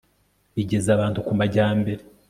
bigeza abantu ku majyambere